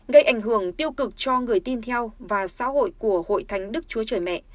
gây ảnh hưởng tiêu cực cho người tin theo và xã hội của hội thánh đức chúa trời mẹ